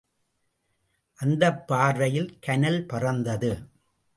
அந்தப் பார்வையிற் கனல் பறந்தது.